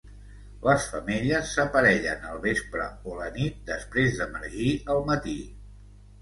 Les femelles s'aparellen al vespre o la nit després d'emergir al matí.